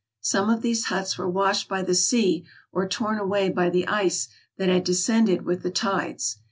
Some of these huts were washed by the sea or torn away by the ice that had descended with the tides.